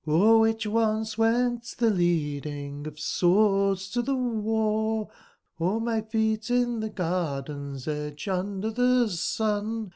O'er wbicb once went tbe leading of swords to tbe wart 01 my feet in tbe garden's edge under tbe sun.